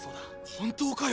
本当かよ。